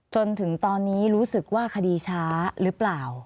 จนถึงตอนนี้รู้สึกว่าคดีช้าหรือเปล่า